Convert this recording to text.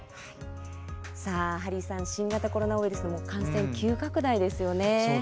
ハリーさん新型コロナウイルスの感染急拡大ですよね。